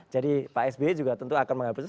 jadi pak sbi juga tentu akan menghargai